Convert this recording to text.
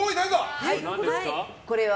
これは。